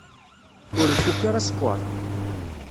Ur ifukk ara sskeṛ?